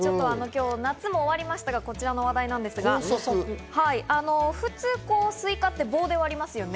夏も終わりましたがこちらの話題なんですが、普通スイカって棒で割りますよね。